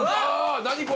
何これ！